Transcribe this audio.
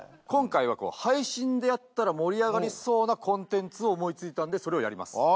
今回は配信でやったら盛り上がりそうなコンテンツを思いついたんでそれをやります。